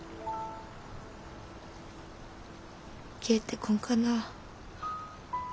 帰ってこんかな。